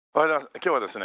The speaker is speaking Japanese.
今日はですね